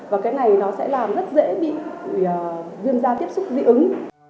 và cái này nó sẽ làm rất dễ bị viêm da tiếp xúc dị ứng